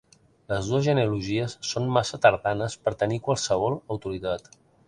Les dues genealogies són massa tardanes per tenir qualsevol autoritat.